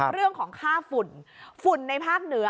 เรื่องของค่าฝุ่นฝุ่นในภาคเหนือ